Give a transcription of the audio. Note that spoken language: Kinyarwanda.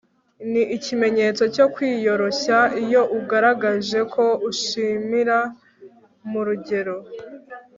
ni ikimenyetso cyo kwiyoroshya iyo ugaragaje ko ushimira mu rugero